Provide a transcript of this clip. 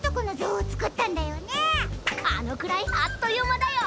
あのくらいあっというまだよ。